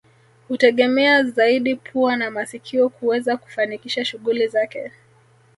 Hutegemea zaidi pua na masikio kuweza kufanikisha shughuli zake